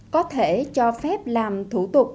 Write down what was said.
có thể cho phép làm thủ tục